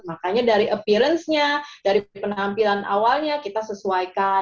makanya dari appearance nya dari penampilan awalnya kita sesuaikan